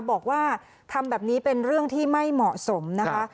บอกว่าทำแบบนี้เป็นเรื่องที่ไม่เหมาะสมนะคะ